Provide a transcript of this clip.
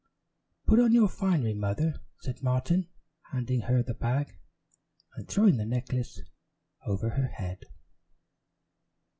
"Put on your finery, Mother," said Martin, handing her the bag and throwing the necklace over her head.